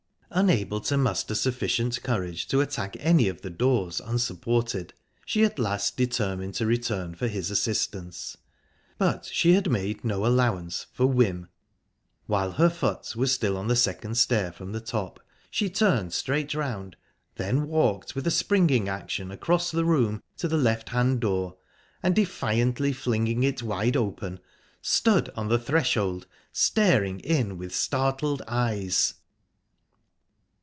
Unable to muster sufficient courage to attack any of the doors unsupported, she at last determined to return for his assistance. But she had made no allowance for whim. While her foot was still on the second stair from the top, she turned straight round, then walked with a springing action across the room to the left hand door, and, defiantly flinging it wide open, stood on the threshold, staring in with startled eyes.